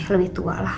lebih tua lah